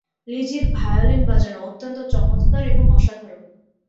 লিজির violin বাজানো অত্যন্ত চমৎকার এবং অসাধারণ।